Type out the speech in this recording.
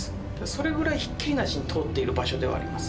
それぐらいひっきりなしに通っている場所ではあります。